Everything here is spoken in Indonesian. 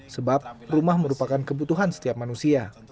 sebab rumah merupakan kebutuhan setiap manusia